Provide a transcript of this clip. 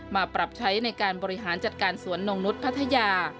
มาปรับใช้ในการบริหารจัดการสวนนงนุษย์พัทยา